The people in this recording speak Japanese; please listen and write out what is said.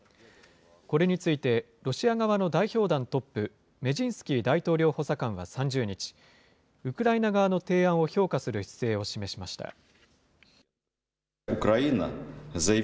これについて、ロシア側の代表団トップ、メジンスキー大統領補佐官は３０日、ウクライナ側の提案を評価する姿勢を示しました。